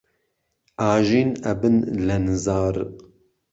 ئاژین ئەبن لە نزار